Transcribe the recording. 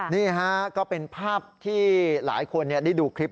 นี่ฮะก็เป็นภาพที่หลายคนได้ดูคลิป